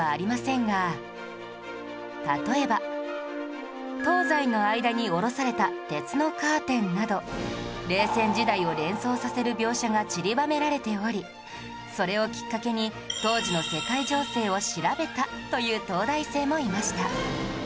例えば「東西の間に下ろされた鉄のカーテン」など冷戦時代を連想させる描写がちりばめられておりそれをきっかけに当時の世界情勢を調べたという東大生もいました